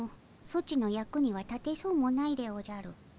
ソチの役には立てそうもないでおじゃる。